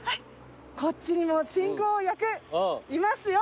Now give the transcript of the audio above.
こっちにも進行役いますよ。